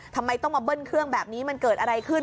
ทำไมต้องมาเบิ้ลเครื่องแบบนี้มันเกิดอะไรขึ้น